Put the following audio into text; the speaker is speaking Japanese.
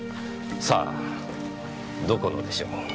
さあどこのでしょう？